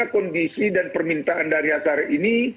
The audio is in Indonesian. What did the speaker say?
kondisi dan permintaan dari aris azhar ini